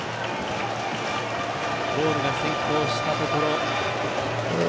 ボールが先行したところ。